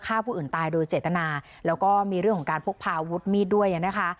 ฆ่าผู้อื่นตายโดยเจตนาแล้วก็มีเรื่องของการพกพาอาวุธมีดด้วยนะคะ